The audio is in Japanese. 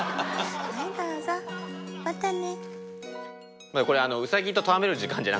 はいどうぞまたね。